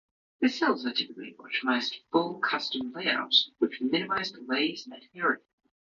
The cells are typically optimized full-custom layouts, which minimize delays and area.